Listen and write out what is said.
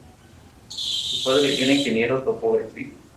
Su padre era ingeniero topográfico.